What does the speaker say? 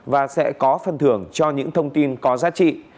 và sẽ có phần thưởng cho những thông tin có giá trị